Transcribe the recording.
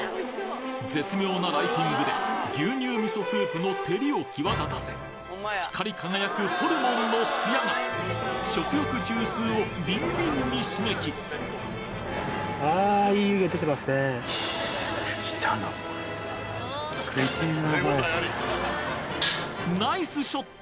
絶妙なライティングで牛乳味噌スープの照りを際立たせ光り輝くホルモンのツヤが食欲中枢をビンビンに刺激ナイスショット！